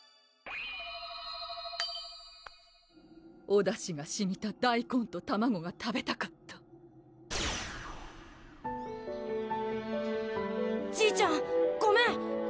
おだしがしみた大根と卵が食べたかったじいちゃんごめん！